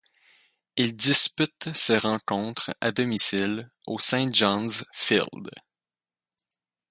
Il dispute ses rencontres à domicile au St John's Field.